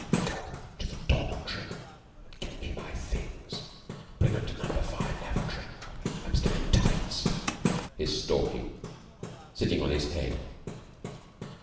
"Go to the dormitory and get me my things. Bring 'em to Number Five lavatory. I'm still in tights," hissed Stalky, sitting on his head.